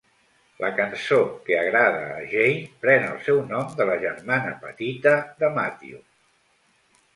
"La Cançó que Agrada a Jane" pren el seu nom de la germana petita de Matthews.